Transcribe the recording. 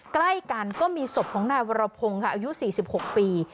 ใกล้กันก็มีศพของนายวรพงศ์ค่ะอายุ๔๖ปี